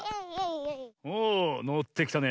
おおのってきたね。